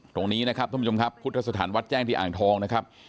ตรงนี้นะครับท่านผู้ชมครับพุทธสถานวัดแจ้งที่อ่างทองนะครับ